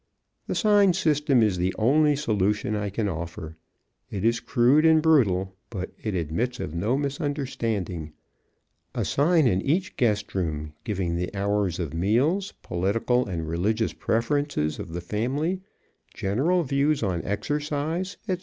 The sign system is the only solution I can offer. It is crude and brutal, but it admits of no misunderstanding. A sign in each guest room, giving the hours of meals, political and religious preferences of the family, general views on exercise, etc.